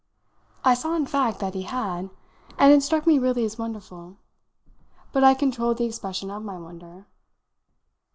I saw in fact that he had, and it struck me really as wonderful. But I controlled the expression of my wonder.